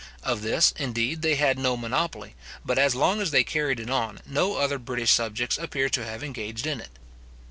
Of this, indeed, they had no monopoly; but as long as they carried it on, no other British subjects appear to have engaged in it.